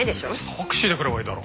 タクシーで来ればいいだろ。